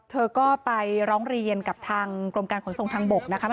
เธอก็ไปร้องเรียนกับทางกรมการขนส่งทางบกนะคะ